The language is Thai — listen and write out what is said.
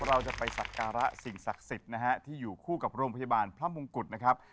เราจะไปสักการะสิ่งศักดิ์สิทธิ์นะฮะที่อยู่คู่กับโรงพยาบาลพระมงกุฎนะครับ